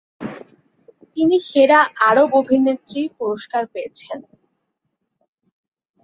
তিনি "সেরা আরব অভিনেত্রী" পুরস্কার পেয়েছেন।